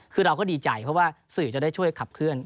คือเราก็ดีใจเพราะว่าสื่อจะได้ช่วยขับเคลื่อน